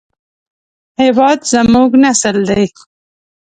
هېواد زموږ نسل دی